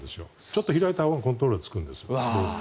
ちょっと離したほうがコントロールがよくなります。